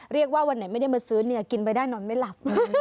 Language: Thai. เรียกว่าวันไหนไม่ได้มาซื้อเนื้อกินไปได้นอนไม่หลับ